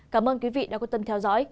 cảm ơn quý vị đã quan tâm theo dõi